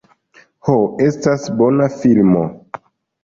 "Ho, estas bona filmo."